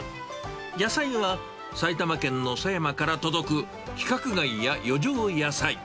野菜は埼玉県の狭山から届く規格外や余剰野菜。